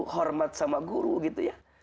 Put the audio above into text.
hormat sama guru gitu ya